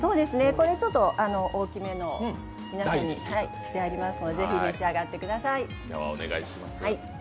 これちょっと大きめのを皆さんにしてありますので是非、召し上がってください。